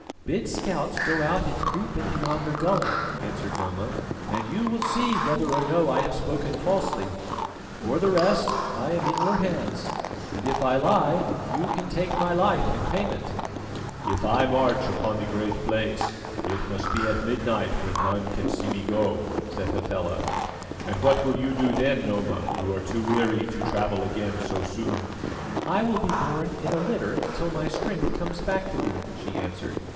"Bid scouts go out and creep into yonder gully," answered Noma, "and you will see whether or no I have spoken falsely. For the rest, I am in your hands, and if I lie you can take my life in payment." "If I march upon the Great Place, it must be at midnight when none see me go," said Hafela, "and what will you do then, Noma, who are too weary to travel again so soon?" "I will be borne in a litter till my strength comes back to me," she answered.